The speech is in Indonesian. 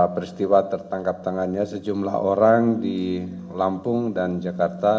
peristiwa tertangkap tangannya sejumlah orang di lampung dan jakarta